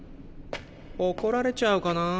怒られちゃうかなぁ。